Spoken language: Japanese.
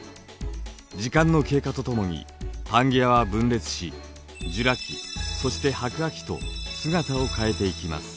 時間の経過とともにパンゲアは分裂しジュラ紀そして白亜紀と姿を変えていきます。